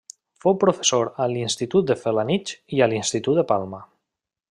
Fou professor a l'Institut de Felanitx i a l'Institut de Palma.